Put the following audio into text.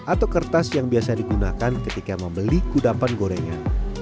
atau kertas yang biasa digunakan ketika membeli kudapan gorengan